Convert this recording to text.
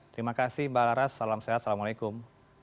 terima kasih mbak laras salam sehat assalamualaikum